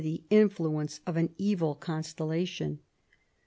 the influence of an evil constellation.